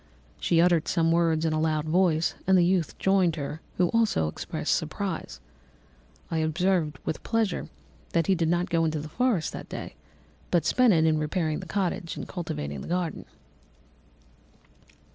She uttered some words in a loud voice, and the youth joined her, who also expressed surprise. I observed, with pleasure, that he did not go to the forest that day, but spent it in repairing the cottage and cultivating the garden.